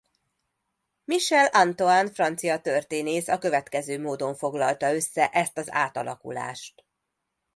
Michel Antoine francia történész a következő módon foglalta össze ezt az átalakulást.